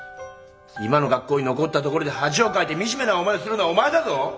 今の学校に残ったところで恥をかいて惨めな思いをするのはお前だぞ！